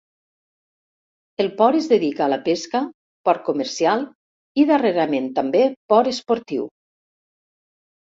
El port es dedica a la pesca, port comercial, i darrerament també port esportiu.